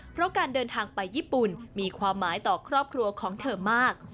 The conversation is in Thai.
เพราะการเดินทางไปญี่ปุ่นมีความหมายต่อครอบครัวของเธอมาก